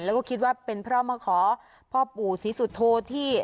แล้วก็คิดว่าเป็นเพราะมาขอพ่อปู่ศรีสุโธที่